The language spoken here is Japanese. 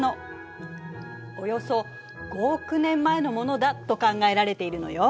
およそ５億年前のものだと考えられているのよ。